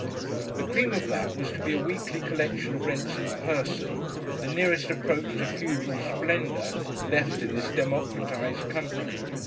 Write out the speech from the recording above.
The cream of that was to be a weekly collection of rents in person, the nearest approach to feudal splendour left in this democratised country.